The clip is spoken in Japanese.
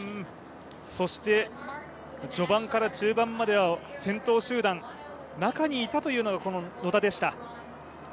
そして序盤から中盤まで先頭集団中にいたというのが野田でした。